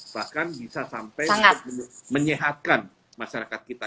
bahkan bisa sampai menyehatkan masyarakat kita